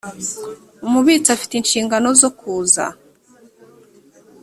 umubitsi afite inshingano zo kuza